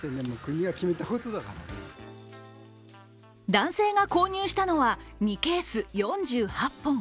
男性が購入したのは２ケース４８本。